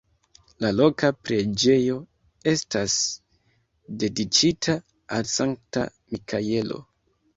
La loka preĝejo estas dediĉita al Sankta Mikaelo.